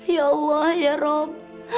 ya allah ya rabb